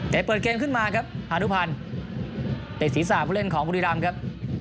แต่เปิดเกมขึ้นมาครับฮานุพันธ์เตะศีรษะผู้เล่นของบุรีรำครับ